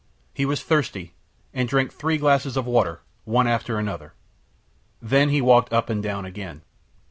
He was thirsty, and drank three glasses of water, one after another; then he walked up and down again.